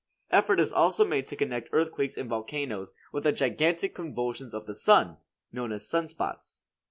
Effort is also made to connect earthquakes and volcanoes with the gigantic convulsions of the sun, known as "sun spots."